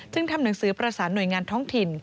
ทำหนังสือประสานหน่วยงานท้องถิ่น